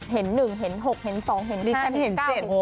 เห็น๑เห็น๖เห็น๒เห็นดิฉันเห็น๗